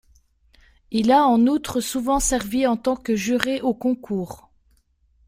Il a en outre souvent servi en tant que juré aux concours.